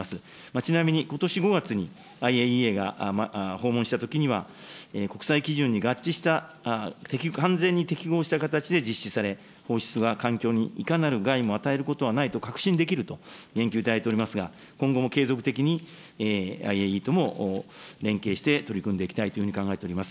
ちなみにことし５月にＩＡＥＡが訪問したときには、国際基準に合致した完全に適合した形で実施され、放出が環境にいかなる害も与えることはないと確信できると言及いただいておりますが、今後も継続的にＩＡＡとも連携して取り組んでいきたいというふうに考えております。